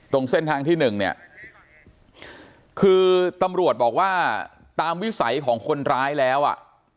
ตรงเส้นทางที่หนึ่งเนี่ยคือตำรวจบอกว่าตามวิสัยของคนร้ายแล้วอ่ะ